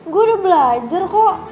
gue udah belajar kok